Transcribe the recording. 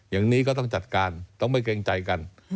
อย่างนี้ก็ต้องจัดการต้องไม่เกรงใจกัน